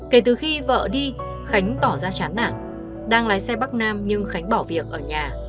kể từ khi vợ đi khánh tỏ ra chán nản đang lái xe bắc nam nhưng khánh bỏ việc ở nhà